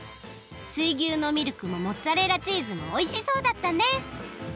水牛のミルクもモッツァレラチーズもおいしそうだったね！